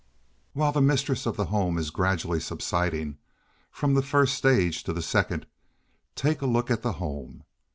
While the mistress of the home is gradually subsiding from the first stage to the second, take a look at the home.